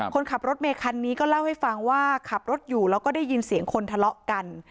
คนขับรถเมคันนี้ก็เล่าให้ฟังว่าขับรถอยู่แล้วก็ได้ยินเสียงคนทะเลาะกัน